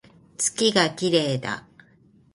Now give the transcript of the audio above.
月が綺麗だ